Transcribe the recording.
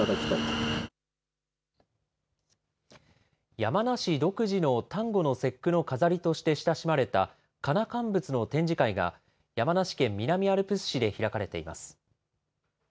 山梨独自の端午の節句の飾りとして親しまれた、かなかんぶつの展示会が、山梨県南アルプス市で開かれています。